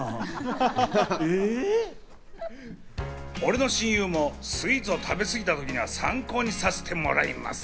俺の親友もスイーツを食べ過ぎた時には参考にさせてもらいます。